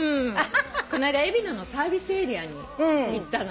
この間海老名のサービスエリアに行ったのね。